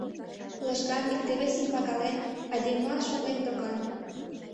Лыжган, икте-весым пагален, айдемылан шотлен докан...